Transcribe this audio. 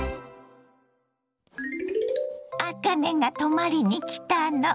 あかねが泊まりに来たの。